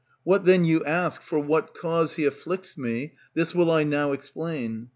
What then you ask, for what cause He afflicts me, this will I now explain.